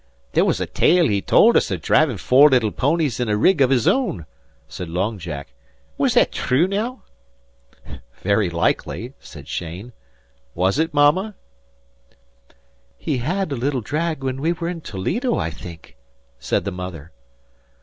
"There was a tale he told us av drivin' four little ponies in a rig av his own," said Long Jack. "Was that thrue now?" "Very likely," said Cheyne. "Was it, Mama?" "He had a little drag when we were in Toledo, I think," said the mother.